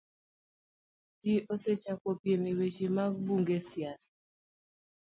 Ji osechako piem e weche mag bunge, siasa,